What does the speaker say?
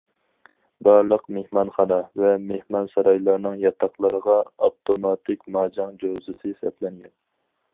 بارلىق مېھمانخانا ۋە مېھمانسارايلارنىڭ ياتاقلىرىغا ئاپتوماتىك ماجاڭ جوزىسى سەپلەنگەن.